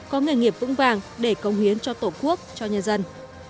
có nghề nghiệp vững vàng để công hiến cho tổ quốc cho nhân dân